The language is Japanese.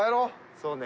そうね。